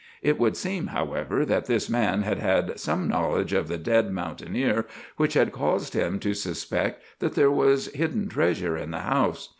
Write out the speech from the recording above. It would seem, however, that this man had had some knowledge of the dead mountaineer which had caused him to suspect that there was hidden treasure in the house.